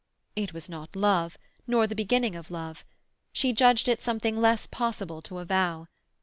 It was not love, nor the beginning of love; she judged it something less possible to avow.